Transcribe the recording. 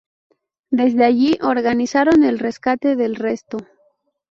Desde allí organizaron el rescate del resto.